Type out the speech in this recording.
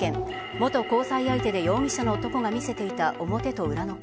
元交際相手で容疑者の男が見せていた表と裏の顔。